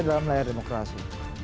dalam layar demokrasi